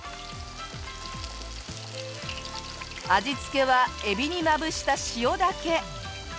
味付けはエビにまぶした塩だけ。